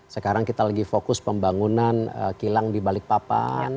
sekarang kita lagi fokus pembangunan kilang di balikpapan